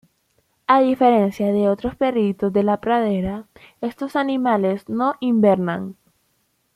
A diferencia de otros perritos de la pradera, estos animales no hibernan.